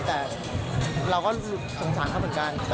แต่เราก็สงสารเขาเหมือนกัน